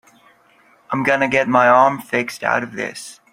I'm gonna get my arm fixed out of this.